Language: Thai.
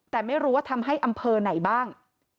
แต่ไม่รู้ว่าทำให้อำเภอไหนบ้าง